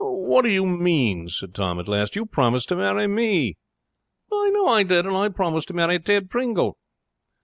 'What do you mean?' said Tom at last. 'You promised to marry me.' 'I know I did and I promised to marry Ted Pringle!'